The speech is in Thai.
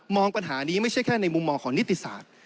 ปัญหานี้ไม่ใช่แค่ในมุมมองของนิติศาสตร์